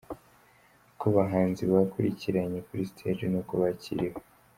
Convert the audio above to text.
Uko abahanzi bakurikiranye kuri stage n'uko bakiriwe.